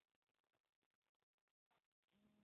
walipanda mashua ya mwisho ya kuokoleaa